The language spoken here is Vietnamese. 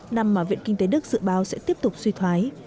năm mà viện kinh tế đức dự báo sẽ tiếp tục suy thoái